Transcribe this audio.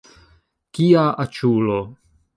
Kia aĉulo!